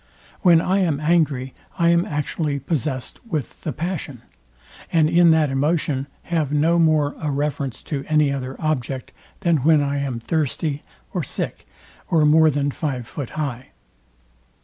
When I am angry, I am actually possest with the passion, and in that emotion have no more a reference to any other object, than when I am thirsty, or sick, or more than five foot high.